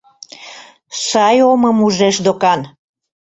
Сай омым ужеш докан.